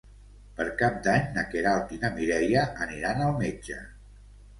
Per Cap d'Any na Queralt i na Mireia aniran al metge.